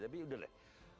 tapi udah deh